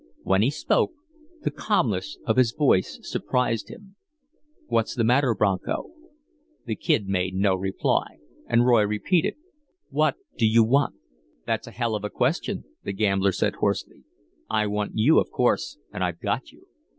When he spoke the calmness of his voice surprised himself. "What's the matter, Bronco?" The Kid made no reply, and Roy repeated, "What do you want?" "That's a hell of a question," the gambler said, hoarsely. "I want you, of course, and I've got you."